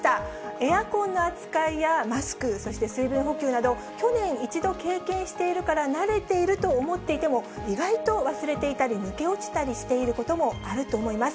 エアコンの扱いやマスク、そして水分補給など、去年、一度経験しているから慣れていると思っていても、意外と忘れていたり、抜け落ちたりしていることもあると思います。